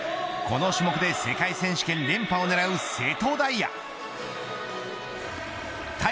この種目で世界選手権連覇を狙う瀬戸大也。